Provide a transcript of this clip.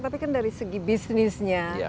tapi kan dari segi bisnisnya